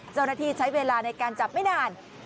เจ้าหน้าที่ใช้เวลาในการจับไม่นาน